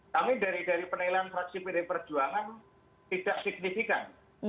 kami dari penilaian fraksi pd perjuangan tidak signifikan